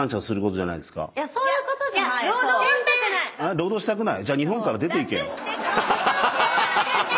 労働したくない？